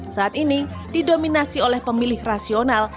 saat ini didominasi oleh pemilih rasional